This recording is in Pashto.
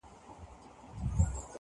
• زېری به راوړي د پسرلیو -